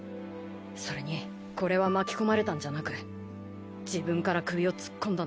それにこれは巻き込まれたんじゃなく自分から首を突っ込んだんだ。